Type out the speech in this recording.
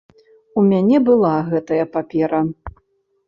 У мяне была гэтая папера.